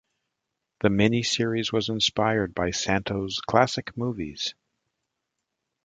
The mini series was inspired by Santo's classic movies.